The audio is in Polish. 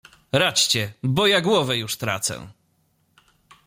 "Radźcie, bo ja głowę już tracę."